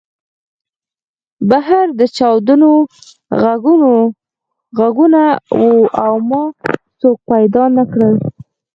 بهر د چاودنو غږونه وو او ما څوک پیدا نه کړل